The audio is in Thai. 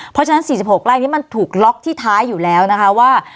เพราะฉะนั้น๔๖ไร่นี้มันถูกล็อกที่ท้ายอยู่แล้วนะคะว่า